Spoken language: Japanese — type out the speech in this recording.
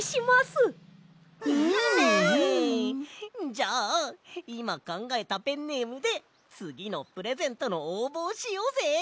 じゃあいまかんがえたペンネームでつぎのプレゼントのおうぼをしようぜ！